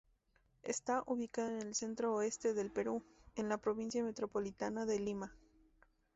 Está ubicada en el centro-oeste del Perú, en la provincia metropolitana de Lima.